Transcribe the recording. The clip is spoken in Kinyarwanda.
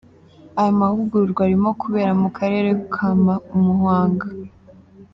Aya mahugurwa arimo kubera mu Karere ka Muhanga.